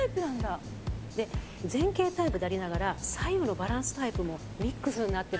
で前傾タイプでありながら左右のバランスタイプもミックスになってる。